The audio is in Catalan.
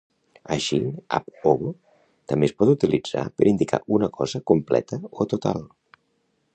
Així, "ab ovo" també es pot utilitzar per indicar una cosa completa o total.